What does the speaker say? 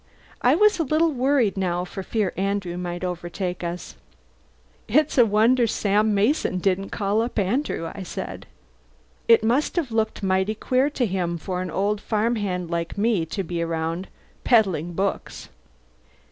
I was a little worried now for fear Andrew might overtake us. "It's a wonder Sam Mason didn't call up Andrew," I said. "It must have looked mighty queer to him for an old farm hand like me to be around, peddling books."